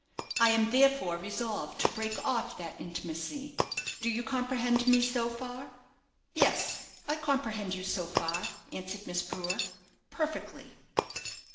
I am therefore resolved to break off that intimacy. Do you comprehend me so far?" "Yes, I comprehend you so far," answered Miss Brewer, "perfectly."